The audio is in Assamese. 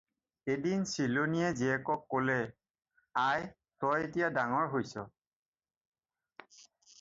"এদিন চিলনীয়ে জীয়েকক ক'লে- "আই, তই এতিয়া ডাঙৰ হৈছ।"